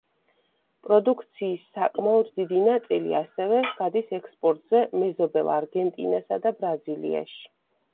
პროდუქციის საკმაოდ დიდი ნაწილი ასევე გადის ექსპორტზე მეზობელ არგენტინასა და ბრაზილიაში.